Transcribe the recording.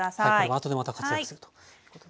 あとでまた活躍するということですね。